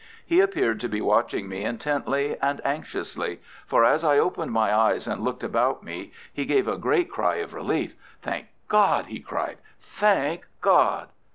He appeared to be watching me intently and anxiously, for as I opened my eyes and looked about me he gave a great cry of relief. "Thank God!" he cried. "Thank God!"